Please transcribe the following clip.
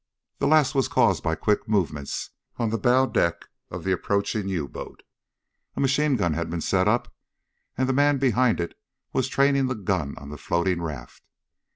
The last was caused by quick movements on the bow deck of the approaching U boat. A machine gun had been set up, and the man behind it was training the gun on the floating raft.